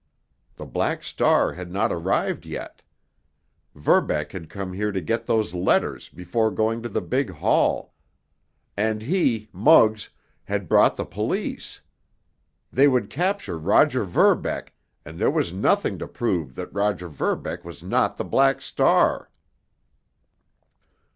The Black Star had not arrived yet. Verbeck had come here to get those letters before going to the big hall. And he—Muggs—had brought the police! They would capture Roger Verbeck—and there was nothing to prove that Roger Verbeck was not the Black Star!